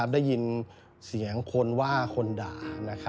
ได้ยินเสียงคนว่าคนด่า